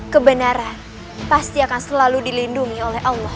kebenaran pasti akan selalu dilindungi oleh allah